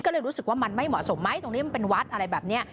ก็เลยรู้สึกว่ามันไม่เหมาะสมไหมตรงนี้มันเป็นวัดอะไรแบบนี้